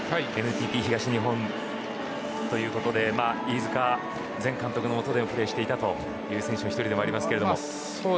ＮＴＴ東日本ということで飯塚前監督の下でプレーしていたという選手の１人でもありますが。